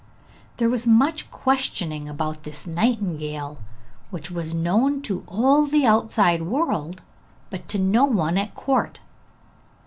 There was much questioning about this nightingale, which was known to all the outside world, but to no one at court.